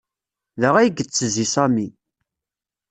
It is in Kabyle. Da ay yettezzi Sami.